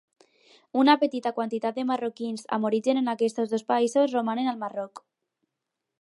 Una petita quantitat de marroquins amb origen en aquests dos països romanen al Marroc.